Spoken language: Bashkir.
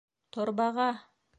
Торбаға!